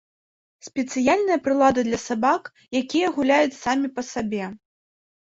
Спецыяльная прылада для сабак, якія гуляюць самі па сабе.